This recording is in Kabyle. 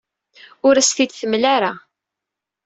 Ur as-t-id-temla ara.